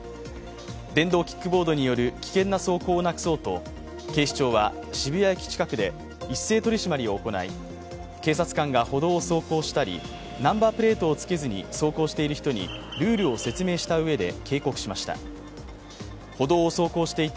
電動キックボードによる危険な走行をなくそうと警視庁は渋谷駅近くで一斉取り締まりを行い警察官が歩道を走行したり、ナンバープレートをつけずに走行している人にルールを説明したうえで警告しました。